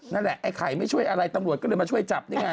ไอ้ไข่ไม่ช่วยอะไรตำรวจก็เลยมาช่วยจับนี่ไง